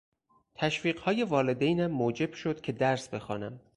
تشویق های والدینم موجب شد که درس بخوانم.